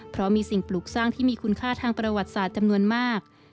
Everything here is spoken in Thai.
เพราะมีสิ่งปลูกสร้างที่มีคุณค่าทางประวัติศาสตร์จำนวนมาก